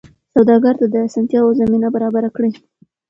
سوداګرو ته د اسانتیاوو زمینه برابره کړئ.